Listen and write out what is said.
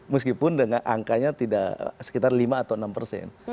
meskipun dengan angkanya tidak sekitar lima atau enam persen